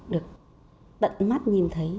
được bận mắt nhìn thấy